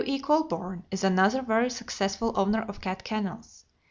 E. Colburn is another very successful owner of cat kennels.